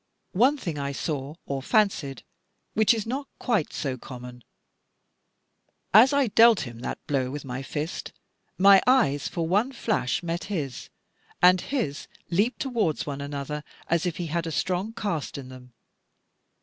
One thing I saw, or fancied, which is not quite so common. As I dealt him that blow with my fist, my eyes for one flash met his, and his leaped towards one another, as if he had a strong cast in them.